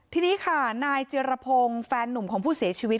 ทีนี้ค่ะนายเจรพงศ์แฟนนุ่มของผู้เสียชีวิต